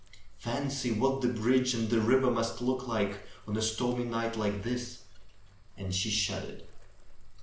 Fancy what the bridge and the river must look like on a stormy night like this!" And she shuddered.